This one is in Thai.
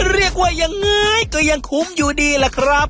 เรียกว่ายังไงก็ยังคุ้มอยู่ดีล่ะครับ